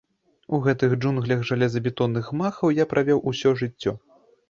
У гэтых джунглях жалезабетонных гмахаў я правёў усё жыццё.